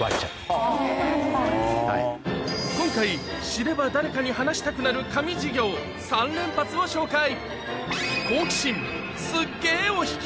・そうなんだ・今回知れば誰かに話したくなる神授業３連発を紹介